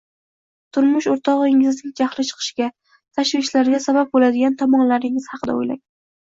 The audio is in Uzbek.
Turmush o‘rtog‘ingizning jahli chiqishiga, tashvishlanishiga sabab bo‘ladigan tomonlaringiz haqida o‘ylang.